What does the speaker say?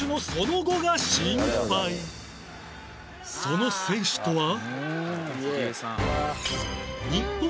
その選手とは